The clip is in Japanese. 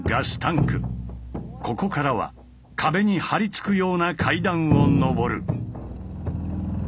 ここからは壁にはり付くような階段を上る。